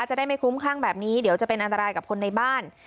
จะได้ไม่คลุ้มคลั่งแบบนี้เดี๋ยวจะเป็นอันตรายกับคนในบ้าน